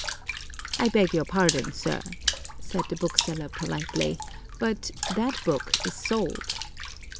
"I beg your pardon, sir," said the bookseller, politely, "but that book is sold."